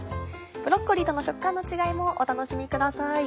ブロッコリーとの食感の違いもお楽しみください。